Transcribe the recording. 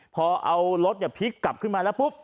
พอเอารถพลิกกลับขึ้นมาแล้วปุ๊บ